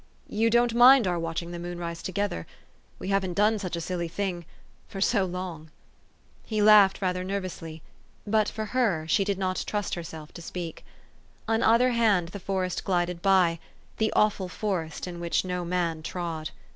You don't mind our watching the moonrise together? We haven't done such a silly thing for so long !" He laughed rather nervously ; but for her, she did not trust herself to speak. On either hand the forest glided by, the awful forest in which no man trod.